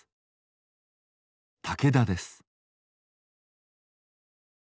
嵩田です。